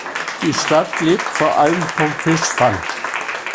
Die Stadt lebt vor allem vom Fischfang.